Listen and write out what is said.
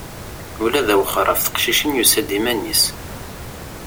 Ula d awexxer ɣef teqcicin yusa-d iman-is.